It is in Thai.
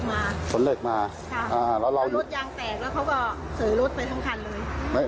เขาขนเหล็กมาขนเหล็กมาครับแล้วรถยางแตกแล้วเขาก็เสริรถไปทั้งคันเลย